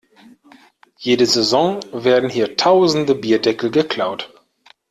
Jede Saison werden hier tausende Bierdeckel geklaut.